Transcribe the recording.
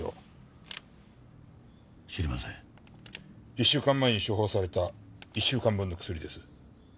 １週間前に処方された１週間分の薬です。